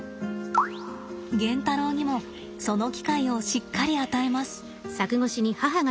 ゲンタロウにもその機会をしっかり与えます。